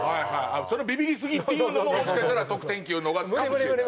そのビビりすぎっていうのももしかしたら得点機を逃すかもしれない。